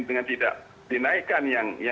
dengan tidak dinaikkan